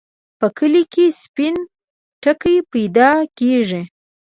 په کلي کې سپين ټکی پیدا کېږي.